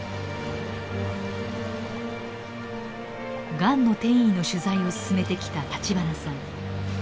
がんの転移の取材を進めてきた立花さん。